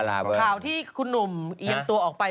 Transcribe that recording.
ข่าวที่คุณหนุ่มเอียงตัวออกไป